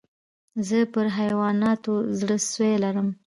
زه پر حیواناتو زړه سوى لرم.